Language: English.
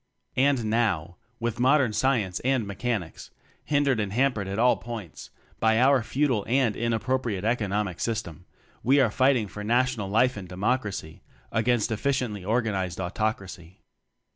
And now, with modern Science and Mechanics hindered and hampered at all points by our futile and in appropriate "Economic System" we are fighting for National life and Democracy against efficiently or ganized Autocracy.